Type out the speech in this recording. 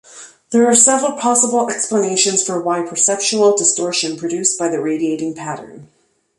There are several possible explanations for why perceptual distortion produced by the radiating pattern.